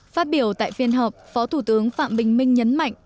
phát biểu tại phiên họp phó thủ tướng phạm bình minh nhấn mạnh